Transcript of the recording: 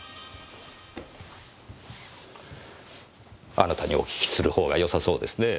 あなたにお訊きするほうがよさそうですねぇ。